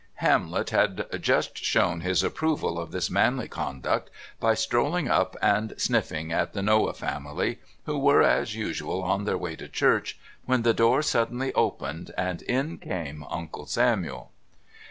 Hamlet had just shown his approval of this manly conduct by strolling up and sniffing at the Noah family, who were, as usual, on their way to church, when the door suddenly opened, and in came Uncle Samuel.